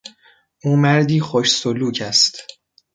او مردی خوش سلوک است.